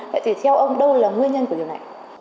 vậy thì theo ông đâu là nguyên nhân của điều này